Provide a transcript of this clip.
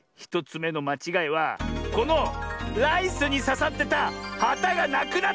１つめのまちがいはこのライスにささってたはたがなくなってる！